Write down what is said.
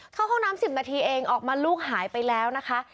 เข้าห้องน้ำ๑๐นาทีเองออกมาลูกหายไปแล้วนะคะ